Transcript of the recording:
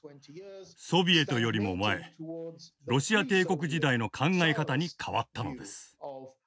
ソビエトよりも前ロシア帝国時代の考え方に変わったのです。